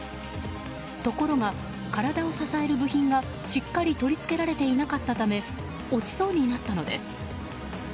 ところが、体を支える部品がしっかり取り付けられていなかったため落ちそうになったのです。